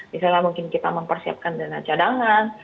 misalnya mungkin kita mempersiapkan dana cadangan